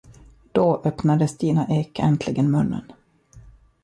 Då öppnade Stina Ek äntligen munnen.